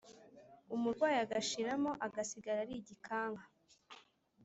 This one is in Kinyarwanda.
umurwayi agashiramo, agasigara ari igikanka.